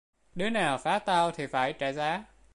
đứa nào phá tao thì phải trả giá